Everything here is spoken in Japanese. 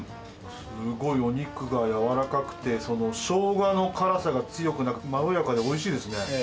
すごいお肉が柔らかくて、そのしょうがの辛さが強くなく、まろやかでおいしいですね。